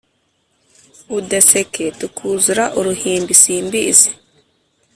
udeseke tukuzura uruhimbi simbizi